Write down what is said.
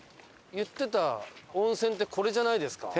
言ってた温泉ってこれじゃないですか？